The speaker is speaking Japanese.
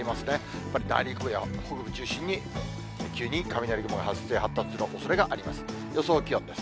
やっぱり内陸部や北部を中心に、急に雷雲が発生、発達するおそれがあります。